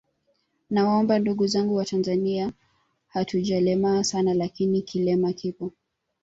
Nawaomba ndugu zangu watanzania hatujalemaa sana lakini kilema kipo